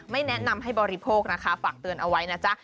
แนะนำให้บริโภคนะคะฝากเตือนเอาไว้นะจ๊ะ